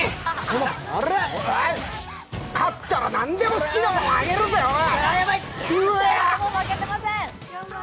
だったら何でも好きなものあげるぜ、おい！